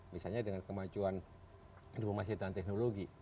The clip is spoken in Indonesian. misalnya dengan kemajuan informasi dan teknologi